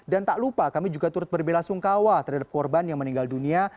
dan tak lupa kami juga turut berbela sungkawa terhadap korban yang meninggal dunia